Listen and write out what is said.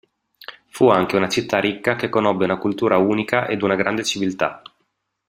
Fu anche una città ricca che conobbe una cultura unica ed una grande civiltà.